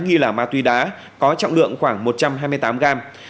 nghi là ma túy đá có trọng lượng khoảng một trăm hai mươi tám gram